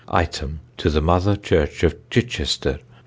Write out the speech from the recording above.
It. (item) to the Mother Church of Chichester 4_d.